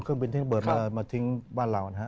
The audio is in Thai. เครื่องบินทิ้งเบิดมาทิ้งบ้านเรานะฮะ